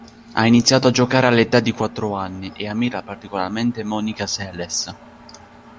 Ha iniziato a giocare all'età di quattro anni, e ammira particolarmente Monica Seles.